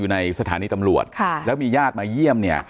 อยู่ในสถานีตำรวจแล้วมีญาติมาเยี่ยม